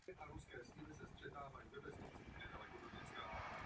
Vozový park byla průběžně rozšiřován především tramvajemi ze Štýrského Hradce.